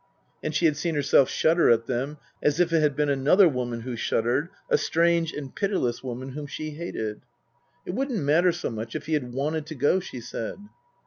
And she had seen herself shudder at them as if it had been another woman who shuddered, a strange and pitiless woman whom she hated. " It wouldn't matter so much if he had wanted to go/' she said.